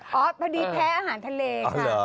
พอดีแพ้อาหารทะเลค่ะ